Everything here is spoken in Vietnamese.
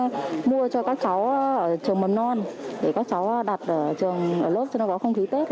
đã mua cho các cháu ở trường mầm non để các cháu đặt ở trường lớp cho nó có không khí tết